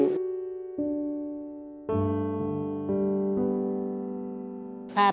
ผมคิดว่าสงสารแกครับ